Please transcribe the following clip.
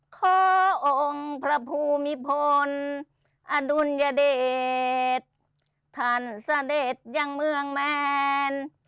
ขอองค์พระภูมิพลอดุลยเดชท่านเสด็จยังเมืองแมน